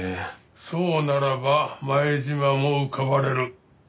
そうならば前島も浮かばれる。